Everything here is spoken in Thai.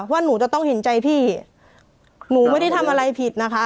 ว่าหนูจะต้องเห็นใจพี่หนูไม่ได้ทำอะไรผิดนะคะ